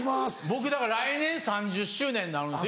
僕だから来年３０周年になるんです。